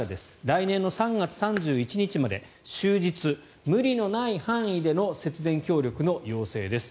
来年の３月３１日まで終日、無理のない範囲での節電協力の要請です。